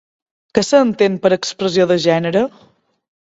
Què s'entén per expressió de gènere?